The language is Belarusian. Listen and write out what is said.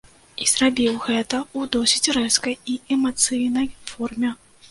І зрабіў гэта ў досыць рэзкай і эмацыйнай форме.